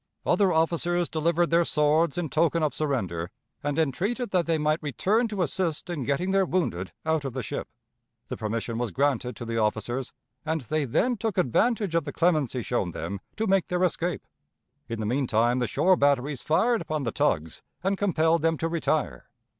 Other officers delivered their swords in token of surrender, and entreated that they might return to assist in getting their wounded out of the ship. The permission was granted to the officers, and they then took advantage of the clemency shown them to make their escape. In the mean time the shore batteries fired upon the tugs, and compelled them to retire.